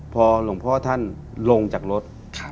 พอหลวงพ่อท่านลงจากรถ